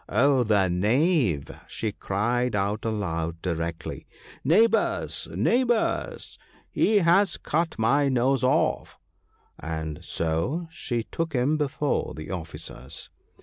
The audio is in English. ' Oh, the knave !' she cried out aloud, directly, ' Neighbours, neighbours ! he has cut my nose off !' and so she took him before the officers.